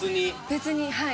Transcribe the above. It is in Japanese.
別にはい。